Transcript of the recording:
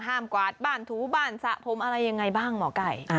ห้ามกวาดบ้านถูบ้านสะพมอะไรอย่างไรบ้างหมอไก่